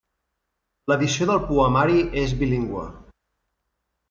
L'edició del poemari és bilingüe.